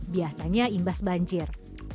biasanya imbas banjir